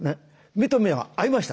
目と目は合いました。